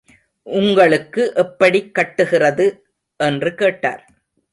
உங்களுக்கு எப்படிக் கட்டுகிறது? —என்று கேட்டார்.